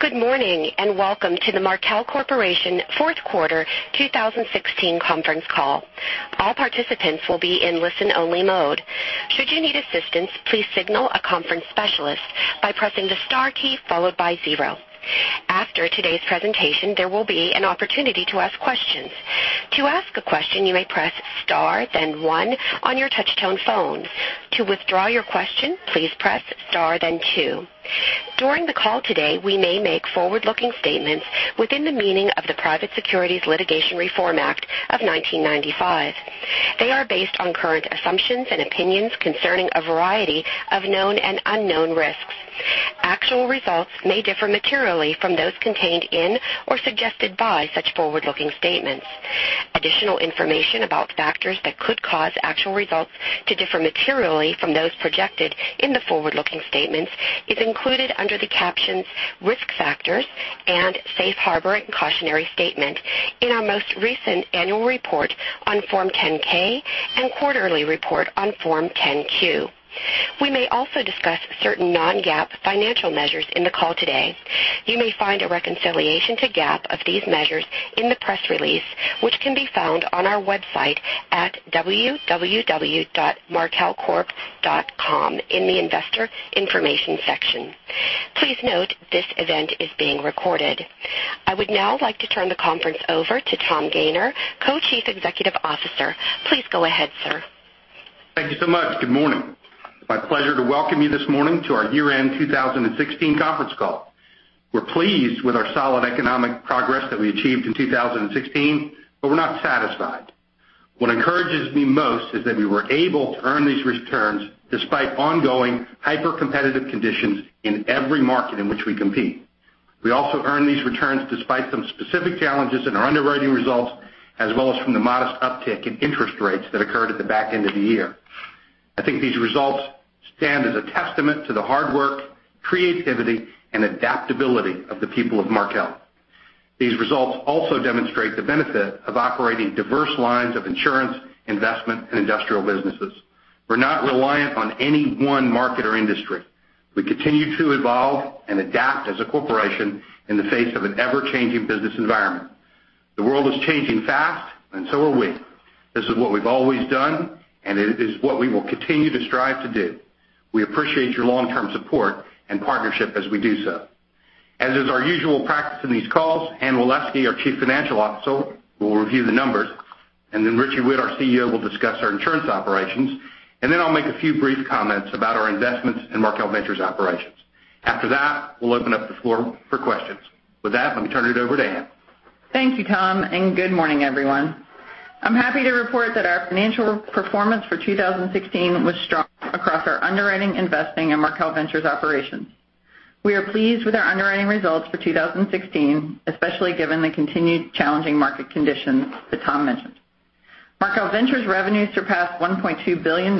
Good morning, welcome to the Markel Corporation fourth quarter 2016 conference call. All participants will be in listen-only mode. Should you need assistance, please signal a conference specialist by pressing the star key followed by zero. After today's presentation, there will be an opportunity to ask questions. To ask a question, you may press star then one on your touch-tone phone. To withdraw your question, please press star then two. During the call today, we may make forward-looking statements within the meaning of the Private Securities Litigation Reform Act of 1995. They are based on current assumptions and opinions concerning a variety of known and unknown risks. Actual results may differ materially from those contained in or suggested by such forward-looking statements. Additional information about factors that could cause actual results to differ materially from those projected in the forward-looking statements is included under the captions "Risk Factors" and "Safe Harbor and Cautionary Statement" in our most recent annual report on Form 10-K and quarterly report on Form 10-Q. We may also discuss certain non-GAAP financial measures in the call today. You may find a reconciliation to GAAP of these measures in the press release, which can be found on our website at www.markelcorp.com in the investor information section. Please note this event is being recorded. I would now like to turn the conference over to Tom Gayner, Co-Chief Executive Officer. Please go ahead, sir. Thank you so much. Good morning. It's my pleasure to welcome you this morning to our year-end 2016 conference call. We're pleased with our solid economic progress that we achieved in 2016, we're not satisfied. What encourages me most is that we were able to earn these returns despite ongoing hyper-competitive conditions in every market in which we compete. We also earned these returns despite some specific challenges in our underwriting results, as well as from the modest uptick in interest rates that occurred at the back end of the year. I think these results stand as a testament to the hard work, creativity, and adaptability of the people of Markel. These results also demonstrate the benefit of operating diverse lines of insurance, investment, and industrial businesses. We're not reliant on any one market or industry. We continue to evolve and adapt as a corporation in the face of an ever-changing business environment. The world is changing fast, so are we. This is what we've always done, it is what we will continue to strive to do. We appreciate your long-term support and partnership as we do so. As is our usual practice in these calls, Anne Waleski, our Chief Financial Officer, will review the numbers, then Richie Whitt, our CEO, will discuss our insurance operations, then I'll make a few brief comments about our investments in Markel Ventures operations. After that, we'll open up the floor for questions. With that, let me turn it over to Anne. Thank you, Tom, and good morning, everyone. I'm happy to report that our financial performance for 2016 was strong across our underwriting, investing, and Markel Ventures operations. We are pleased with our underwriting results for 2016, especially given the continued challenging market conditions that Tom mentioned. Markel Ventures revenue surpassed $1.2 billion,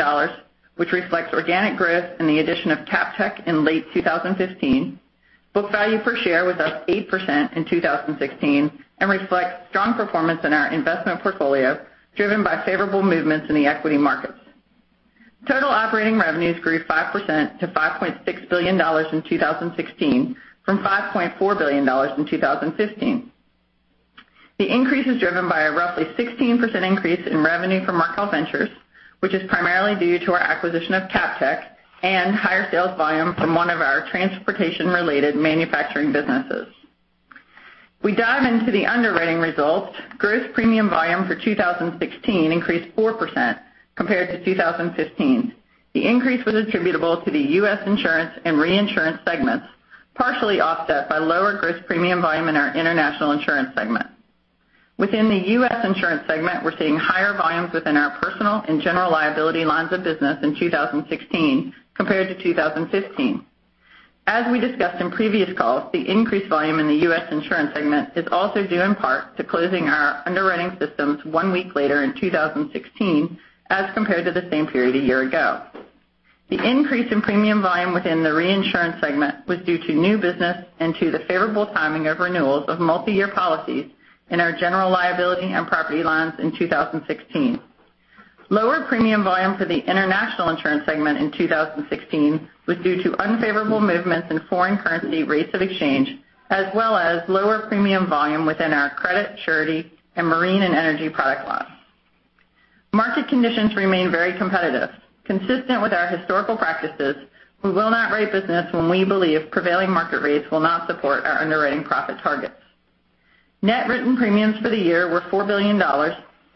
which reflects organic growth and the addition of CapTech in late 2015. Book value per share was up 8% in 2016 and reflects strong performance in our investment portfolio, driven by favorable movements in the equity markets. Total operating revenues grew 5% to $5.6 billion in 2016 from $5.4 billion in 2015. The increase is driven by a roughly 16% increase in revenue from Markel Ventures, which is primarily due to our acquisition of CapTech and higher sales volume from one of our transportation-related manufacturing businesses. If we dive into the underwriting results, gross premium volume for 2016 increased 4% compared to 2015. The increase was attributable to the U.S. insurance and reinsurance segments, partially offset by lower gross premium volume in our international insurance segment. Within the U.S. insurance segment, we're seeing higher volumes within our personal and general liability lines of business in 2016 compared to 2015. As we discussed in previous calls, the increased volume in the U.S. insurance segment is also due in part to closing our underwriting systems one week later in 2016 as compared to the same period a year ago. The increase in premium volume within the reinsurance segment was due to new business and to the favorable timing of renewals of multi-year policies in our general liability and property lines in 2016. Lower premium volume for the international insurance segment in 2016 was due to unfavorable movements in foreign currency rates of exchange, as well as lower premium volume within our credit, surety, and marine and energy product lines. Market conditions remain very competitive. Consistent with our historical practices, we will not write business when we believe prevailing market rates will not support our underwriting profit targets. Net written premiums for the year were $4 billion, up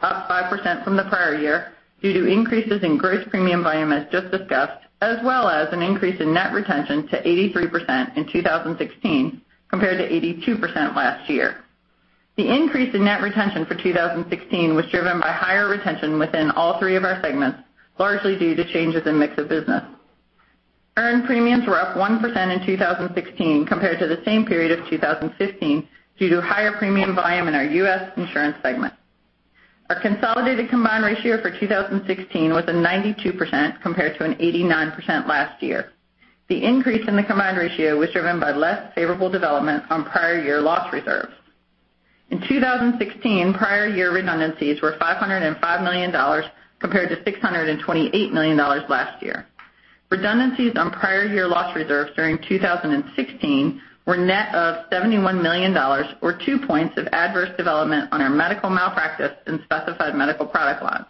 5% from the prior year, due to increases in gross premium volume as just discussed, as well as an increase in net retention to 83% in 2016 compared to 82% last year. The increase in net retention for 2016 was driven by higher retention within all three of our segments, largely due to changes in mix of business. Earned premiums were up 1% in 2016 compared to the same period of 2015 due to higher premium volume in our U.S. insurance segment. Our consolidated combined ratio for 2016 was a 92% compared to an 89% last year. The increase in the combined ratio was driven by less favorable developments on prior year loss reserves. In 2016, prior year redundancies were $505 million compared to $628 million last year. Redundancies on prior year loss reserves during 2016 were net of $71 million, or two points of adverse development on our medical malpractice and specified medical product lines.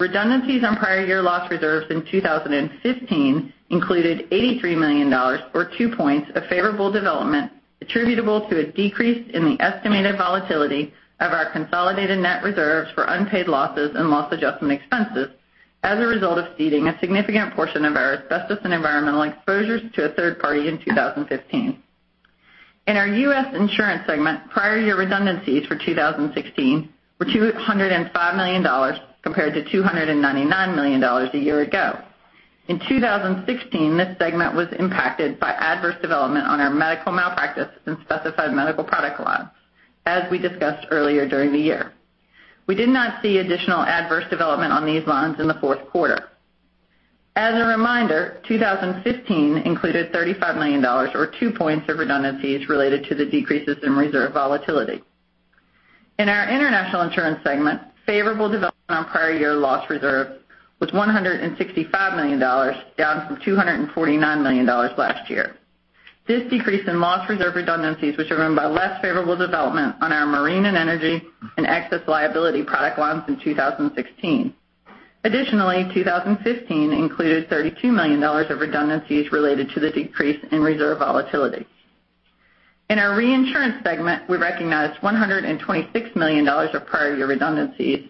Redundancies on prior year loss reserves in 2015 included $83 million, or 2 points of favorable development attributable to a decrease in the estimated volatility of our consolidated net reserves for unpaid losses and loss adjustment expenses as a result of ceding a significant portion of our asbestos and environmental exposures to a third party in 2015. In our U.S. insurance segment, prior year redundancies for 2016 were $205 million compared to $299 million a year ago. In 2016, this segment was impacted by adverse development on our medical malpractice and specified medical product lines, as we discussed earlier during the year. We did not see additional adverse development on these lines in the fourth quarter. As a reminder, 2015 included $35 million or 2 points of redundancies related to the decreases in reserve volatility. In our international insurance segment, favorable development on prior year loss reserve was $165 million, down from $249 million last year. This decrease in loss reserve redundancies was driven by less favorable development on our marine and energy and excess liability product lines in 2016. Additionally, 2015 included $32 million of redundancies related to the decrease in reserve volatility. In our reinsurance segment, we recognized $126 million of prior year redundancies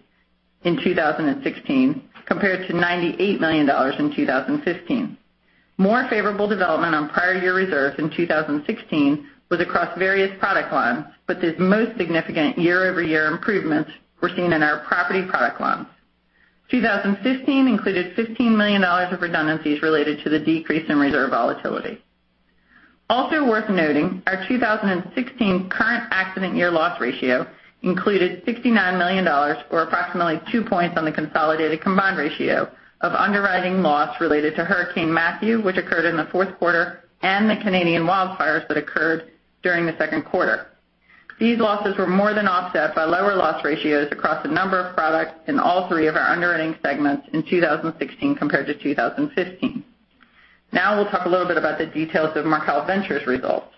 in 2016 compared to $98 million in 2015. More favorable development on prior year reserves in 2016 was across various product lines, but the most significant year-over-year improvements were seen in our property product lines. 2015 included $15 million of redundancies related to the decrease in reserve volatility. Also worth noting, our 2016 current accident year loss ratio included $69 million, or approximately 2 points, on the consolidated combined ratio of underwriting loss related to Hurricane Matthew, which occurred in the fourth quarter, and the Canadian wildfires that occurred during the second quarter. These losses were more than offset by lower loss ratios across a number of products in all three of our underwriting segments in 2016 compared to 2015. Now we'll talk a little bit about the details of Markel Ventures results.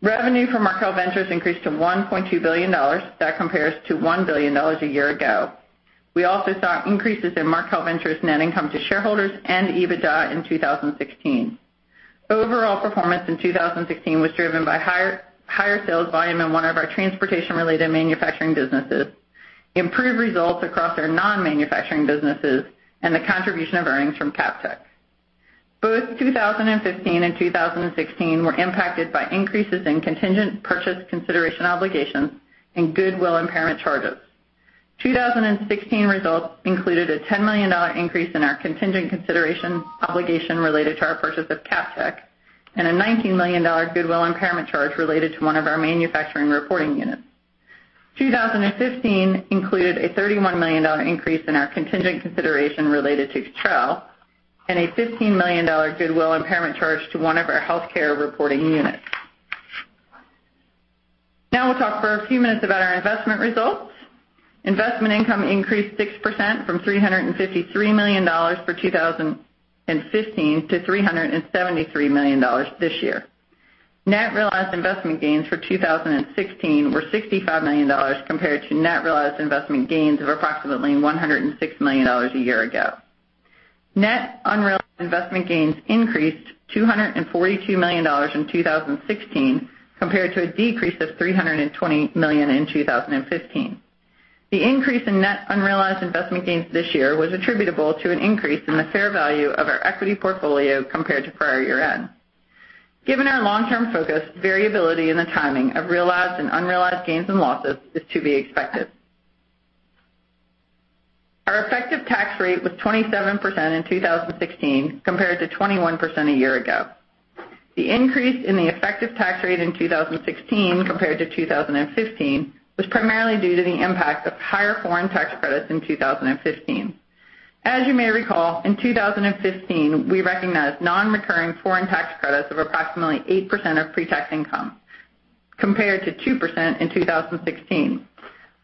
Revenue from Markel Ventures increased to $1.2 billion. That compares to $1 billion a year ago. We also saw increases in Markel Ventures net income to shareholders and EBITDA in 2016. Overall performance in 2016 was driven by higher sales volume in one of our transportation-related manufacturing businesses, improved results across our non-manufacturing businesses, and the contribution of earnings from CapTech. Both 2015 and 2016 were impacted by increases in contingent purchase consideration obligations and goodwill impairment charges. 2016 results included a $10 million increase in our contingent consideration obligation related to our purchase of CapTech and a $19 million goodwill impairment charge related to one of our manufacturing reporting units. 2015 included a $31 million increase in our contingent consideration related to Cottrell and a $15 million goodwill impairment charge to one of our healthcare reporting units. Now we'll talk for a few minutes about our investment results. Investment income increased 6% from $353 million for 2015 to $373 million this year. Net realized investment gains for 2016 were $65 million compared to net realized investment gains of approximately $106 million a year ago. Net unrealized investment gains increased to $242 million in 2016 compared to a decrease of $320 million in 2015. The increase in net unrealized investment gains this year was attributable to an increase in the fair value of our equity portfolio compared to prior year-end. Given our long-term focus, variability in the timing of realized and unrealized gains and losses is to be expected. Our effective tax rate was 27% in 2016 compared to 21% a year ago. The increase in the effective tax rate in 2016 compared to 2015 was primarily due to the impact of higher foreign tax credits in 2015. As you may recall, in 2015, we recognized non-recurring foreign tax credits of approximately 8% of pre-tax income, compared to 2% in 2016.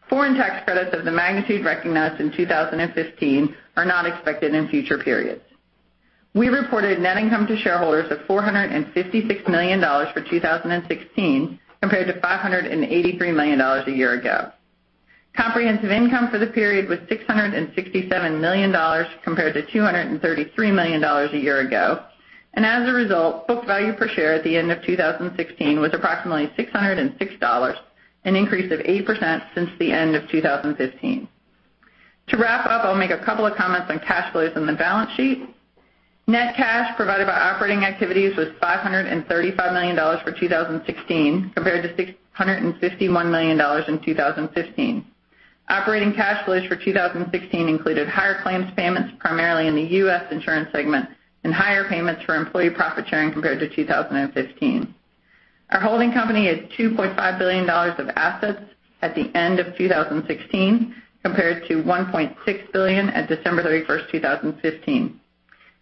Foreign tax credits of the magnitude recognized in 2015 are not expected in future periods. We reported net income to shareholders of $456 million for 2016 compared to $583 million a year ago. Comprehensive income for the period was $667 million compared to $233 million a year ago. As a result, book value per share at the end of 2016 was approximately $606, an increase of 8% since the end of 2015. To wrap up, I'll make a couple of comments on cash flows and the balance sheet. Net cash provided by operating activities was $535 million for 2016 compared to $651 million in 2015. Operating cash flows for 2016 included higher claims payments primarily in the U.S. insurance segment and higher payments for employee profit-sharing compared to 2015. Our holding company had $2.5 billion of assets at the end of 2016 compared to $1.6 billion at December 31st, 2015.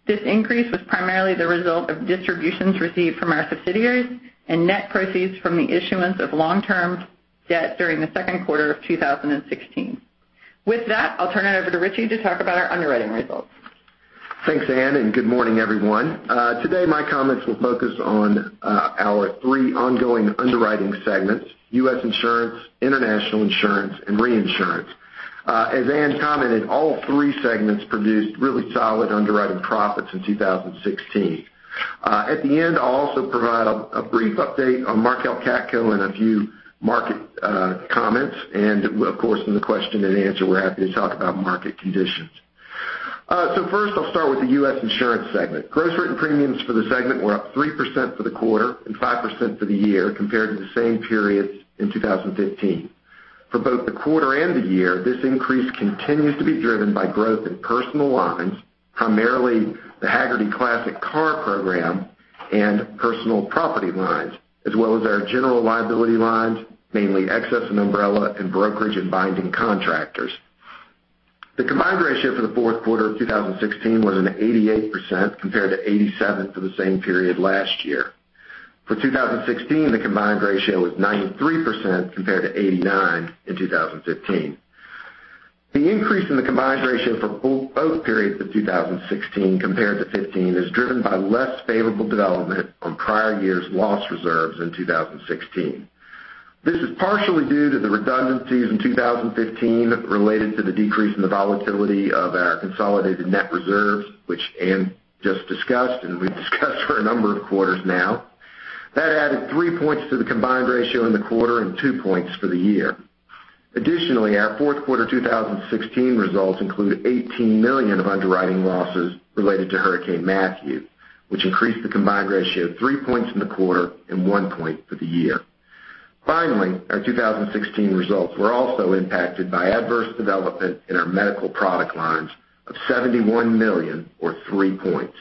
This increase was primarily the result of distributions received from our subsidiaries and net proceeds from the issuance of long-term debt during the second quarter of 2016. With that, I'll turn it over to Richie to talk about our underwriting results. Thanks, Anne. Good morning, everyone. Today, my comments will focus on our three ongoing underwriting segments, U.S. Insurance, International Insurance, and Reinsurance. As Anne commented, all three segments produced really solid underwriting profits in 2016. At the end, I'll also provide a brief update on Markel CATCo and a few market comments. Of course, in the question and answer, we're happy to talk about market conditions. First, I'll start with the U.S. Insurance segment. Gross written premiums for the segment were up 3% for the quarter and 5% for the year compared to the same periods in 2015. For both the quarter and the year, this increase continues to be driven by growth in personal lines, primarily the Hagerty Classic Car program and personal property lines, as well as our general liability lines, mainly excess and umbrella and brokerage and binding contractors. The combined ratio for the fourth quarter of 2016 was an 88% compared to 87% for the same period last year. For 2016, the combined ratio was 93% compared to 89% in 2015. The increase in the combined ratio for both periods of 2016 compared to 2015 is driven by less favorable development on prior year's loss reserves in 2016. This is partially due to the redundancies in 2015 related to the decrease in the volatility of our consolidated net reserves, which Anne just discussed, and we've discussed for a number of quarters now. That added 3 points to the combined ratio in the quarter and 2 points for the year. Additionally, our fourth quarter 2016 results include $18 million of underwriting losses related to Hurricane Matthew, which increased the combined ratio 3 points in the quarter and 1 point for the year. Our 2016 results were also impacted by adverse development in our medical product lines of $71 million or 3 points,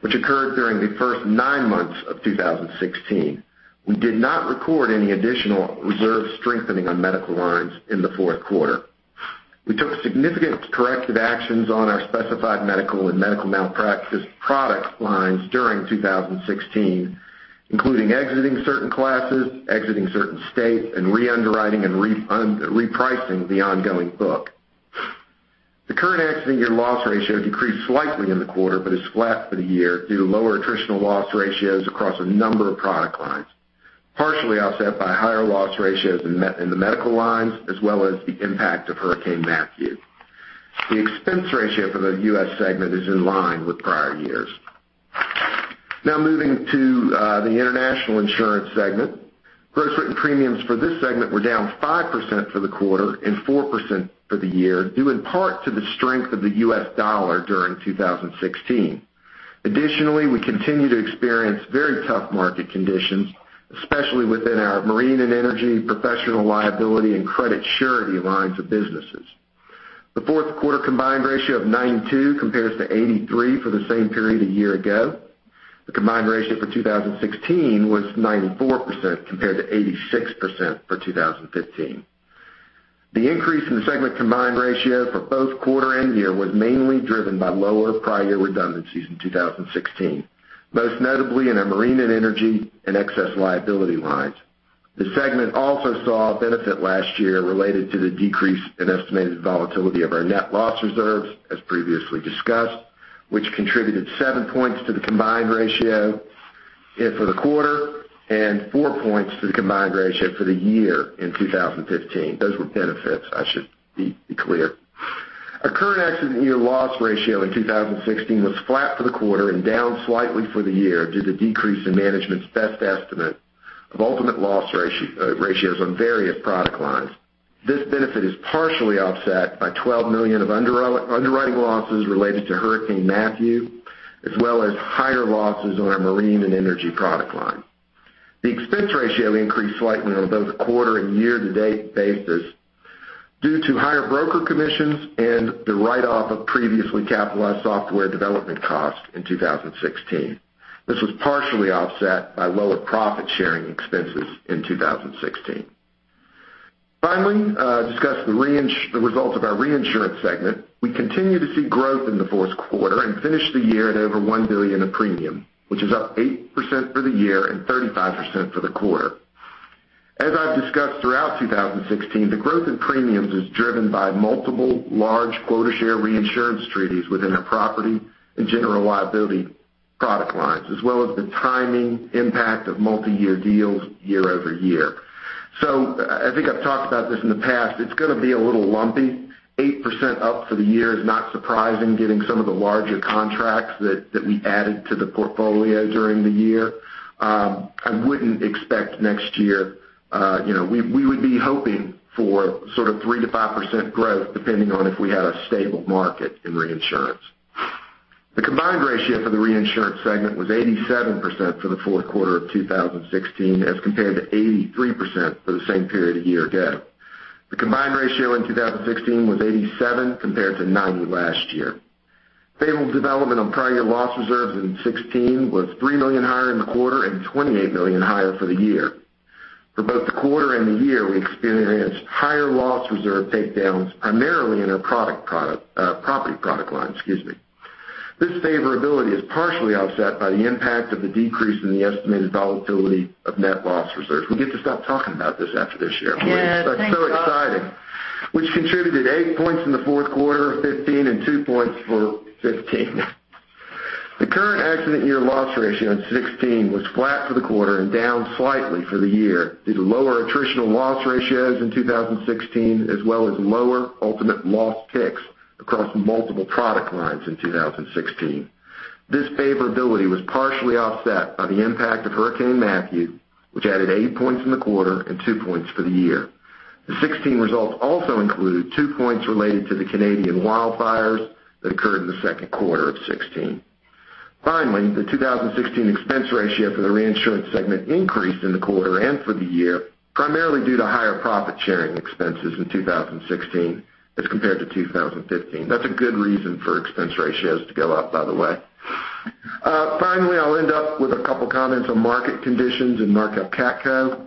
which occurred during the first nine months of 2016. We did not record any additional reserve strengthening on medical lines in the fourth quarter. We took significant corrective actions on our specified medical and medical malpractice product lines during 2016, including exiting certain classes, exiting certain states, and re-underwriting and repricing the ongoing book. The current accident year loss ratio decreased slightly in the quarter but is flat for the year due to lower attritional loss ratios across a number of product lines, partially offset by higher loss ratios in the medical lines, as well as the impact of Hurricane Matthew. The expense ratio for the U.S. segment is in line with prior years. Moving to the international insurance segment. Gross written premiums for this segment were down 5% for the quarter and 4% for the year, due in part to the strength of the U.S. dollar during 2016. We continue to experience very tough market conditions, especially within our marine and energy professional liability and credit surety lines of businesses. The fourth quarter combined ratio of 92% compares to 83% for the same period a year ago. The combined ratio for 2016 was 94% compared to 86% for 2015. The increase in the segment combined ratio for both quarter and year was mainly driven by lower prior year redundancies in 2016, most notably in our marine and energy and excess liability lines. The segment also saw a benefit last year related to the decrease in estimated volatility of our net loss reserves, as previously discussed, which contributed 7 points to the combined ratio for the quarter and 4 points to the combined ratio for the year in 2015. Those were benefits, I should be clear. Our current accident year loss ratio in 2016 was flat for the quarter and down slightly for the year due to decrease in management's best estimate of ultimate loss ratios on various product lines. This benefit is partially offset by $12 million of underwriting losses related to Hurricane Matthew, as well as higher losses on our marine and energy product line. The expense ratio increased slightly on both a quarter and year-to-date basis due to higher broker commissions and the write-off of previously capitalized software development cost in 2016. This was partially offset by lower profit-sharing expenses in 2016. Finally, we discuss the results of our reinsurance segment. We continue to see growth in the fourth quarter and finished the year at over $1 billion of premium, which is up 8% for the year and 35% for the quarter. As I've discussed throughout 2016, the growth in premiums is driven by multiple large quota share reinsurance treaties within our property and general liability product lines, as well as the timing impact of multi-year deals year-over-year. I think I've talked about this in the past. It's going to be a little lumpy. 8% up for the year is not surprising, given some of the larger contracts that we added to the portfolio during the year. We would be hoping for sort of 3%-5% growth depending on if we had a stable market in reinsurance. The combined ratio for the reinsurance segment was 87% for the fourth quarter of 2016 as compared to 83% for the same period a year ago. The combined ratio in 2016 was 87% compared to 90% last year. Favorable development on prior year loss reserves in 2016 was $3 million higher in the quarter and $28 million higher for the year. For both the quarter and the year, we experienced higher loss reserve takedowns primarily in our property product line. This favorability is partially offset by the impact of the decrease in the estimated volatility of net loss reserves. We get to stop talking about this after this year. Yeah. Thanks. [inaudible] It's so exciting. Which contributed eight points in the fourth quarter of 2015 and two points for 2015. The current accident year loss ratio in 2016 was flat for the quarter and down slightly for the year due to lower attritional loss ratios in 2016 as well as lower ultimate loss ticks across multiple product lines in 2016. This favorability was partially offset by the impact of Hurricane Matthew, which added eight points in the quarter and two points for the year. The 2016 results also include two points related to the Canadian wildfires that occurred in the second quarter of 2016. Finally, the 2016 expense ratio for the reinsurance segment increased in the quarter and for the year, primarily due to higher profit-sharing expenses in 2016 as compared to 2015. That's a good reason for expense ratios to go up, by the way. Finally, I'll end up with a couple of comments on market conditions in Markel CATCo.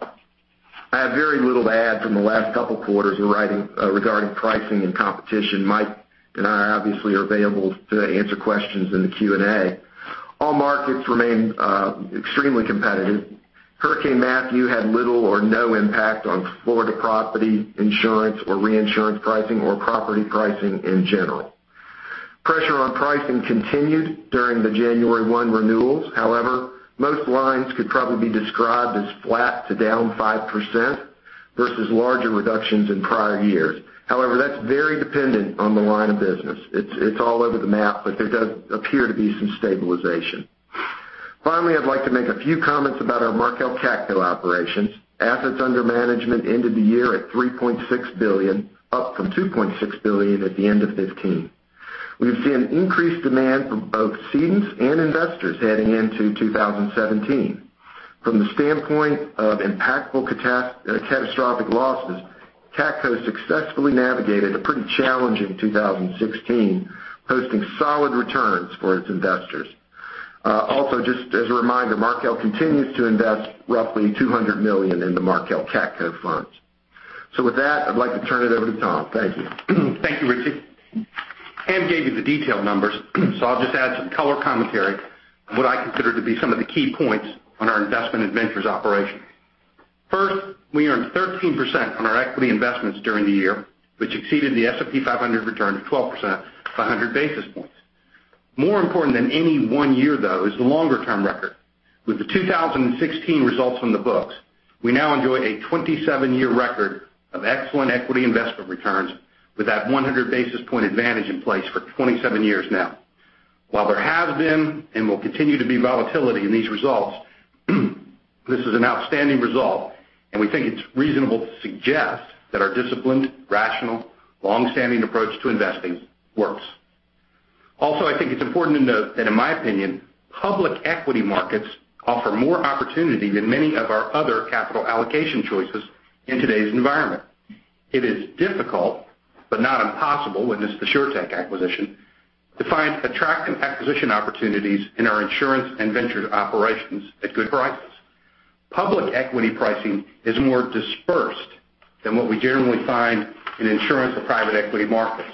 I have very little to add from the last couple of quarters regarding pricing and competition. Mike and I obviously are available to answer questions in the Q&A. All markets remain extremely competitive. Hurricane Matthew had little or no impact on Florida property insurance or reinsurance pricing or property pricing in general. Pressure on pricing continued during the January 1 renewals. Most lines could probably be described as flat to down 5% versus larger reductions in prior years. That's very dependent on the line of business. It's all over the map, but there does appear to be some stabilization. Finally, I'd like to make a few comments about our Markel CATCo operations. Assets under management ended the year at $3.6 billion, up from $2.6 billion at the end of 2015. We've seen increased demand from both cedents and investors heading into 2017. From the standpoint of impactful catastrophic losses, CATCo successfully navigated a pretty challenging 2016, posting solid returns for its investors. Just as a reminder, Markel continues to invest roughly $200 million in the Markel CATCo funds. With that, I'd like to turn it over to Tom. Thank you. Thank you, Richie. Anne gave you the detailed numbers, so I'll just add some color commentary on what I consider to be some of the key points on our investment ventures operation. First, we earned 13% on our equity investments during the year, which exceeded the S&P 500 return of 12%, by 100 basis points. More important than any one year, though, is the longer-term record. With the 2016 results on the books, we now enjoy a 27-year record of excellent equity investment returns with that 100 basis point advantage in place for 27 years now. While there has been and will continue to be volatility in these results, this is an outstanding result, and we think it's reasonable to suggest that our disciplined, rational, long-standing approach to investing works. I think it's important to note that in my opinion, public equity markets offer more opportunity than many of our other capital allocation choices in today's environment. It is difficult, but not impossible, witness the SureTec acquisition, to find attractive acquisition opportunities in our insurance and ventures operations at good prices. Public equity pricing is more dispersed than what we generally find in insurance or private equity markets.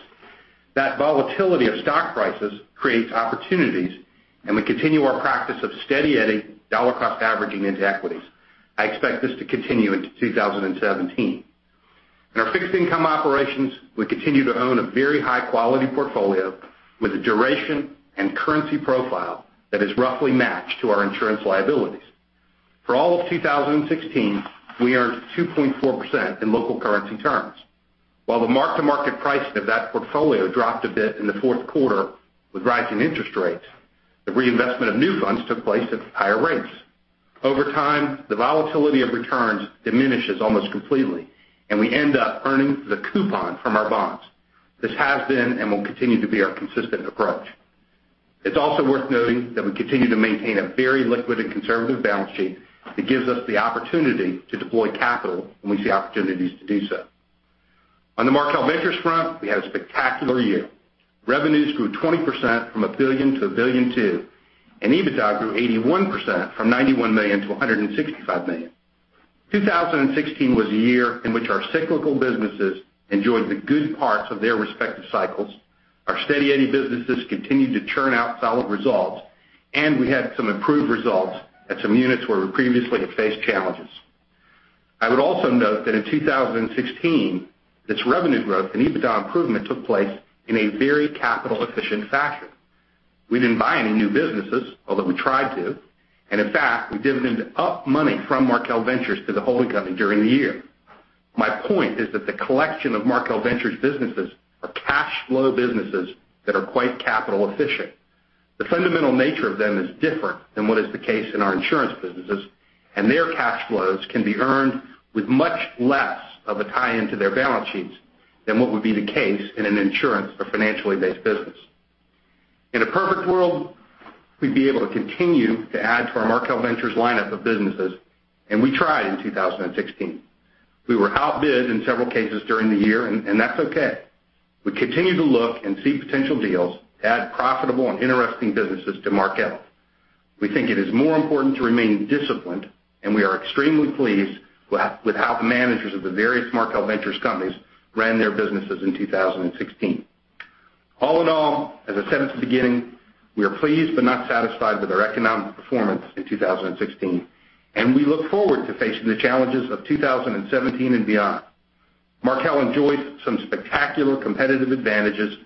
That volatility of stock prices creates opportunities, and we continue our practice of steady Eddie dollar cost averaging into equities. I expect this to continue into 2017. In our fixed income operations, we continue to own a very high-quality portfolio with a duration and currency profile that is roughly matched to our insurance liabilities. For all of 2016, we earned 2.4% in local currency terms. While the mark-to-market pricing of that portfolio dropped a bit in the fourth quarter with rising interest rates, the reinvestment of new funds took place at higher rates. Over time, the volatility of returns diminishes almost completely, and we end up earning the coupon from our bonds. This has been and will continue to be our consistent approach. It's also worth noting that we continue to maintain a very liquid and conservative balance sheet that gives us the opportunity to deploy capital when we see opportunities to do so. On the Markel Ventures front, we had a spectacular year. Revenues grew 20% from $1 billion to $1.2 billion, and EBITDA grew 81% from $91 million to $165 million. 2016 was a year in which our cyclical businesses enjoyed the good parts of their respective cycles. Our steady Eddie businesses continued to churn out solid results, and we had some improved results at some units where we previously had faced challenges. I would also note that in 2016, this revenue growth and EBITDA improvement took place in a very capital-efficient fashion. We didn't buy any new businesses, although we tried to, in fact, we dividend-ed up money from Markel Ventures to the holding company during the year. My point is that the collection of Markel Ventures businesses are cash flow businesses that are quite capital efficient. The fundamental nature of them is different than what is the case in our insurance businesses, and their cash flows can be earned with much less of a tie into their balance sheets than what would be the case in an insurance or financially based business. In a perfect world, we'd be able to continue to add to our Markel Ventures lineup of businesses, and we tried in 2016. We were outbid in several cases during the year, that's okay. We continue to look and see potential deals, add profitable and interesting businesses to Markel. We think it is more important to remain disciplined, we are extremely pleased with how the managers of the various Markel Ventures companies ran their businesses in 2016. All in all, as I said at the beginning, we are pleased but not satisfied with our economic performance in 2016, we look forward to facing the challenges of 2017 and beyond. Markel enjoys some spectacular competitive advantages,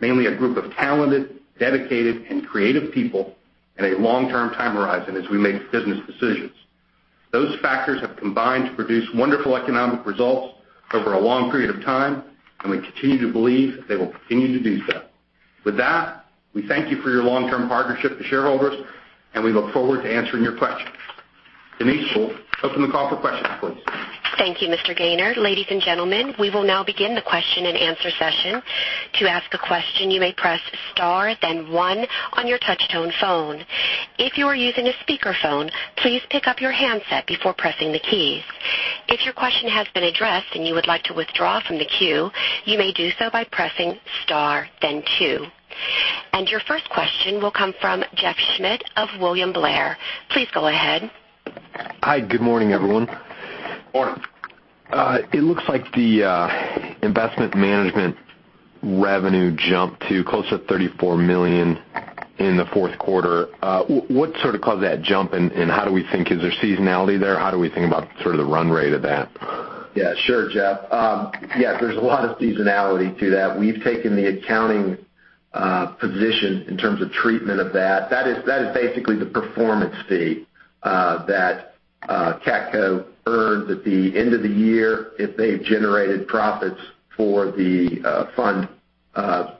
mainly a group of talented, dedicated, and creative people, a long-term time horizon as we make business decisions. Those factors have combined to produce wonderful economic results over a long period of time, we continue to believe they will continue to do so. With that, we thank you for your long-term partnership to shareholders, and we look forward to answering your questions. Denise, open the call for questions, please. Thank you, Mr. Gayner. Ladies and gentlemen, we will now begin the question and answer session. To ask a question, you may press star then 1 on your touch-tone phone. If you are using a speakerphone, please pick up your handset before pressing the keys. If your question has been addressed and you would like to withdraw from the queue, you may do so by pressing star then 2. Your first question will come from Jeff Schmitt of William Blair. Please go ahead. Hi, good morning, everyone. Morning. It looks like the investment management revenue jumped to close to $34 million in the fourth quarter. What sort of caused that jump, and how do we think, is there seasonality there? How do we think about sort of the run rate of that? Yeah, sure, Jeff. Yeah, there's a lot of seasonality to that. We've taken the accounting position in terms of treatment of that. That is basically the performance fee that CATCo earns at the end of the year if they've generated profits for the fund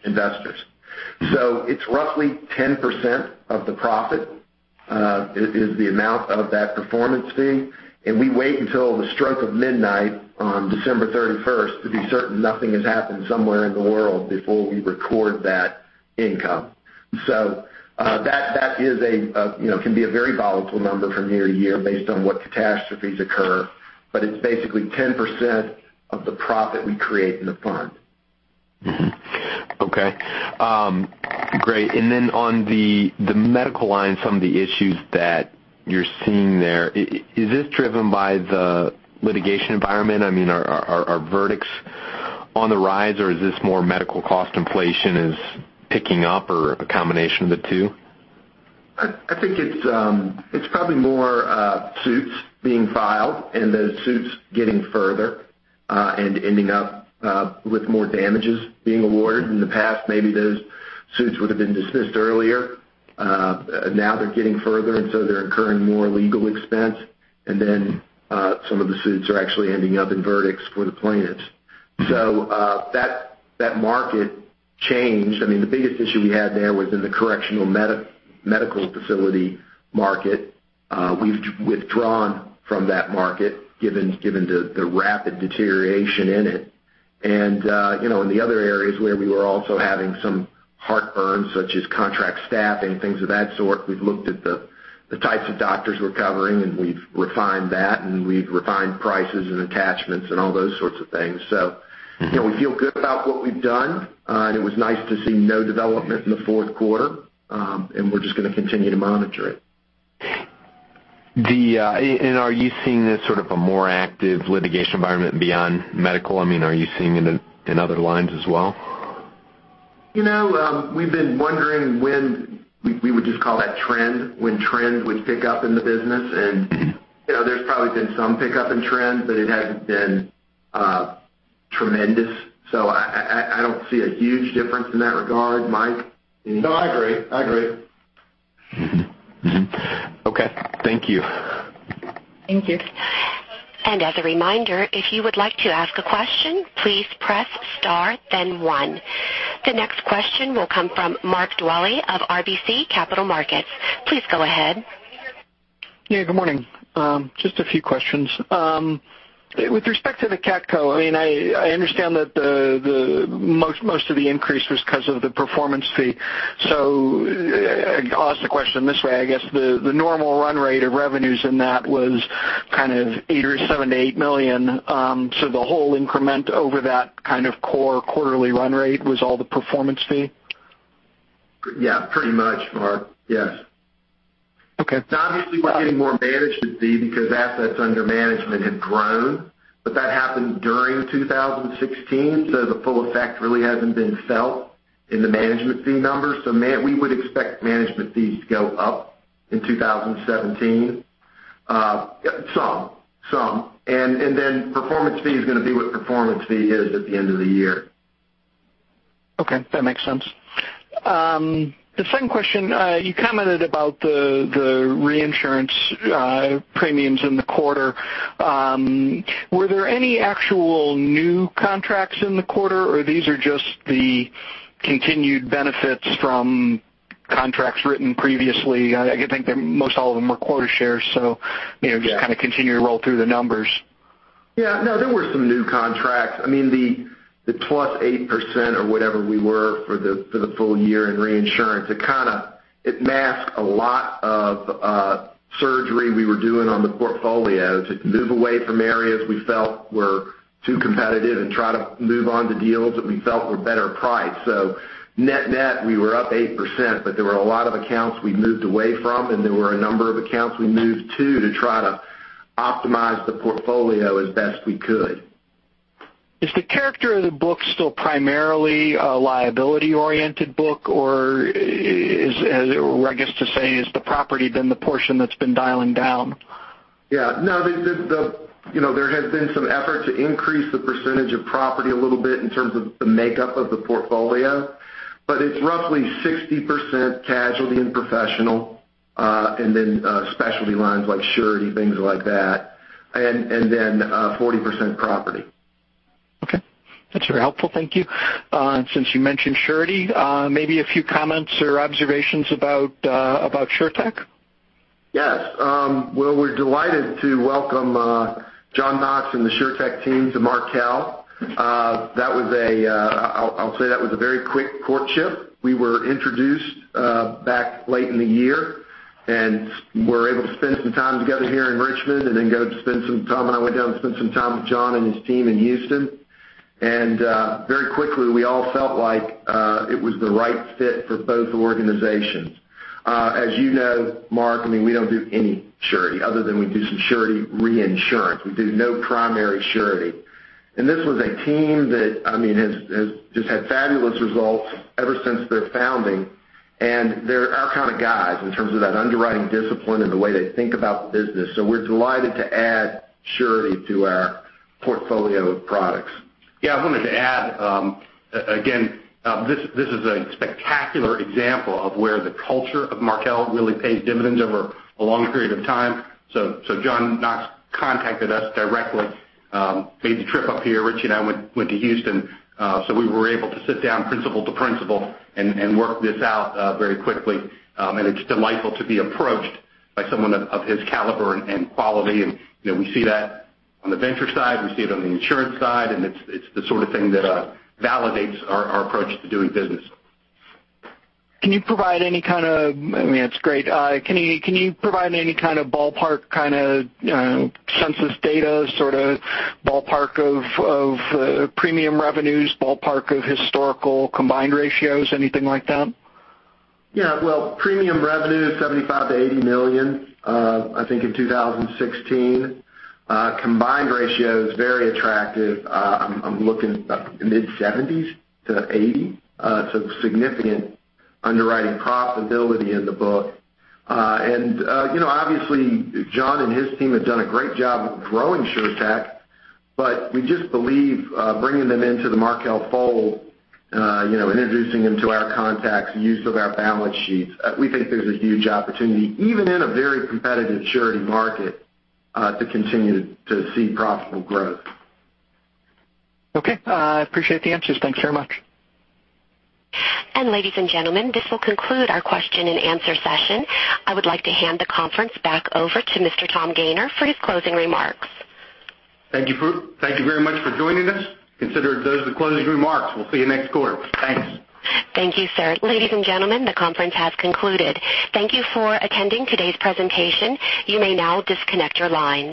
investors. It's roughly 10% of the profit, is the amount of that performance fee. We wait until the stroke of midnight on December 31st to be certain nothing has happened somewhere in the world before we record that income. That can be a very volatile number from year to year based on what catastrophes occur, but it's basically 10% of the profit we create in the fund. Mm-hmm. Okay. Great, on the medical line, some of the issues that you're seeing there, is this driven by the litigation environment? Are verdicts on the rise or is this more medical cost inflation is picking up or a combination of the two? I think it's probably more suits being filed and those suits getting further, and ending up with more damages being awarded. In the past, maybe those suits would have been dismissed earlier. Now they're getting further, and so they're incurring more legal expense, and then some of the suits are actually ending up in verdicts for the plaintiffs. That market changed. The biggest issue we had there was in the correctional medical facility market. We've withdrawn from that market given the rapid deterioration in it. In the other areas where we were also having some heartburn, such as contract staffing, things of that sort, we've looked at the types of doctors we're covering, and we've refined that, and we've refined prices and attachments and all those sorts of things. We feel good about what we've done, and it was nice to see no development in the fourth quarter. We're just going to continue to monitor it. Are you seeing this sort of a more active litigation environment beyond medical? Are you seeing it in other lines as well? We've been wondering when we would just call that trend, when trends would pick up in the business. There's probably been some pickup in trends, but it hasn't been tremendous. I don't see a huge difference in that regard. Mike? No, I agree. Mm-hmm. Okay. Thank you. Thank you. As a reminder, if you would like to ask a question, please press star then one. The next question will come from Mark Dwelle of RBC Capital Markets. Please go ahead. Yeah, good morning. Just a few questions. With respect to the CATCo, I understand that most of the increase was because of the performance fee. I'll ask the question this way, I guess the normal run rate of revenues in that was kind of $7 million-$8 million. The whole increment over that kind of core quarterly run rate was all the performance fee? Yeah, pretty much, Mark. Yes. Okay. Obviously, we're getting more management fee because assets under management have grown, that happened during 2016, the full effect really hasn't been felt in the management fee numbers. We would expect management fees to go up in 2017. Some. Performance fee is going to be what performance fee is at the end of the year. Okay. That makes sense. The second question, you commented about the reinsurance premiums in the quarter. Were there any actual new contracts in the quarter, or these are just the continued benefits from contracts written previously? I think that most all of them are quota shares, just kind of continue to roll through the numbers. Yeah. No, there were some new contracts. The +8% or whatever we were for the full year in reinsurance, it masked a lot of surgery we were doing on the portfolio to move away from areas we felt were too competitive and try to move on to deals that we felt were better priced. Net-net, we were up 8%, there were a lot of accounts we moved away from, there were a number of accounts we moved to try to optimize the portfolio as best we could. Is the character of the book still primarily a liability-oriented book, or I guess to say, is the property then the portion that's been dialing down? Yeah. No, there has been some effort to increase the percentage of property a little bit in terms of the makeup of the portfolio, but it's roughly 60% casualty and professional, and then specialty lines like surety, things like that, and then 40% property. Okay. That's very helpful. Thank you. Since you mentioned surety, maybe a few comments or observations about SureTec? Yes. Well, we're delighted to welcome John Knox and the SureTec team to Markel. I'll say that was a very quick courtship. We were introduced back late in the year, and were able to spend some time together here in Richmond and then go to spend some time, and I went down and spent some time with John and his team in Houston. Very quickly, we all felt like it was the right fit for both organizations. As you know, Mark, we don't do any surety other than we do some surety reinsurance. We do no primary surety. This was a team that has just had fabulous results ever since their founding. They're our kind of guys in terms of that underwriting discipline and the way they think about the business. We're delighted to add surety to our portfolio of products. Yeah, I wanted to add, again, this is a spectacular example of where the culture of Markel really pays dividends over a long period of time. John Knox contacted us directly, made the trip up here. Rich and I went to Houston, so we were able to sit down principal to principal and work this out very quickly. It's delightful to be approached by someone of his caliber and quality. We see that on the venture side, we see it on the insurance side, and it's the sort of thing that validates our approach to doing business. Can you provide any kind of, I mean that's great. Can you provide any kind of ballpark kind of census data, sort of ballpark of premium revenues, ballpark of historical combined ratios, anything like that? Yeah. Well, premium revenue is $75 million-$80 million. I think in 2016, combined ratio is very attractive. I'm looking mid-70s to 80%, so significant underwriting profitability in the book. Obviously, John and his team have done a great job of growing SureTec, but we just believe bringing them into the Markel fold, introducing them to our contacts, use of our balance sheets, we think there's a huge opportunity, even in a very competitive surety market, to continue to see profitable growth. Okay. I appreciate the answers. Thanks very much. Ladies and gentlemen, this will conclude our question and answer session. I would like to hand the conference back over to Mr. Tom Gayner for his closing remarks. Thank you very much for joining us. Consider those the closing remarks. We'll see you next quarter. Thanks. Thank you, sir. Ladies and gentlemen, the conference has concluded. Thank you for attending today's presentation. You may now disconnect your lines.